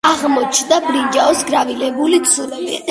აღმოჩნდა ბრინჯაოს გრავირებული ცულები.